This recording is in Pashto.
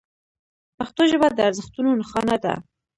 پښتو ژبه د ارزښتونو نښانه ده.